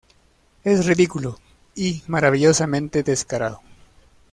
Es ridículo, y maravillosamente descarado".